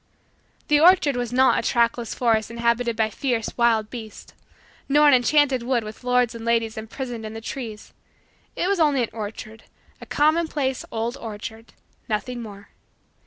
The orchard was not a trackless forest inhabited by fierce, wild beasts; nor an enchanted wood with lords and ladies imprisoned in the trees; it was only an orchard a commonplace old orchard nothing more.